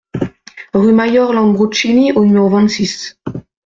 Rue Major Lambruschini au numéro vingt-six